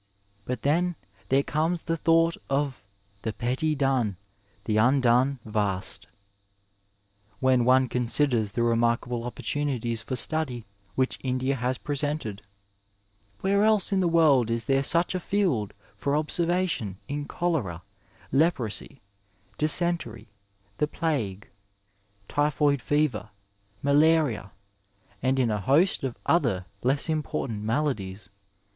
But then there comes the thought of " the petty done, the undone vast," when one considers the remarkable opportunities for study which India has pfosented; Where else in the world is there such a field for observation in chdera, leprosy, dysentery, the plague, tj^oid fever, nalaria, and in a host of other less important maladies.